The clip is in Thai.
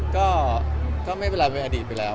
ก็ไม่เป็นไรเป็นอดีตไปแล้ว